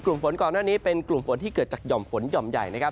กลุ่มฝนก่อนหน้านี้เป็นกลุ่มฝนที่เกิดจากหย่อมฝนหย่อมใหญ่นะครับ